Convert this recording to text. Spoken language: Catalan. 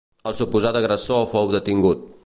El suposat agressor fou detingut.